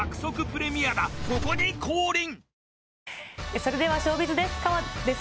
それではショービズです。